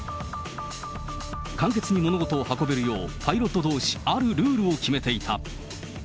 簡潔に物事を運べるよう、パイロットどうし、あるルールを決めていた。